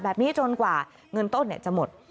จนกว่าเงินต้นจะหมด